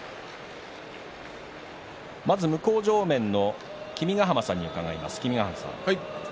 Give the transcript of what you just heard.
まず向正面の君ヶ濱さんに伺います。